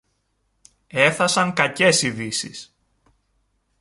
Έφθασαν κακές ειδήσεις.